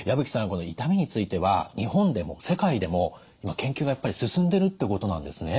この痛みについては日本でも世界でも今研究がやっぱり進んでるってことなんですね？